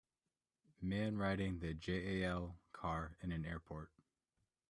Man riding the JAL car in an airport.